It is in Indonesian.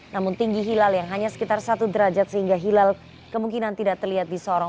namun tinggi hilal yang hanya sekitar satu derajat sehingga hilal kemungkinan tidak terlihat di sorong